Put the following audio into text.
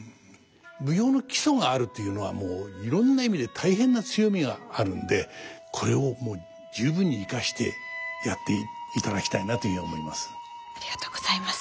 舞踊の基礎があるっていうのはもういろんな意味で大変な強みがあるんでこれをもう十分に生かしてやっていただきたいなというふうに思います。